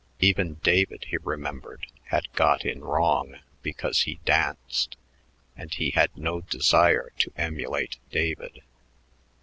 Even David, he remembered, had "got in wrong" because he danced; and he had no desire to emulate David.